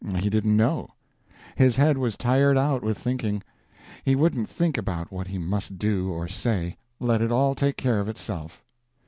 He didn't know; his head was tired out with thinking—he wouldn't think about what he must do or say—let it all take care of itself.